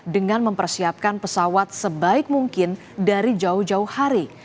dengan mempersiapkan pesawat sebaik mungkin dari jauh jauh hari